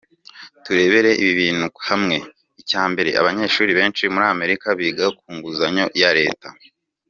Turebere ibi bintu hamwe: Icyambere, abanyeshuri benshi muri Amerika biga ku nguzanyo ya leta.